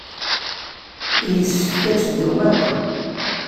Yessefk ad teddum akk.